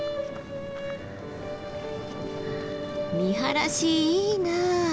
見晴らしいいな。